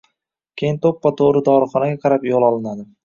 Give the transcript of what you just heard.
Keyin to‘ppa-to‘g‘ri dorixonaga qarab yo‘l olinadi.